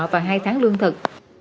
và hai tháng lương thực